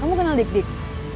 kamu kenal dik dik